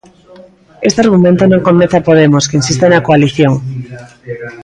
Este argumento non convence a Podemos, que insiste na coalición.